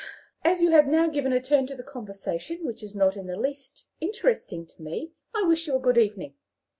"As you have now given a turn to the conversation which is not in the least interesting to me, I wish you a good evening."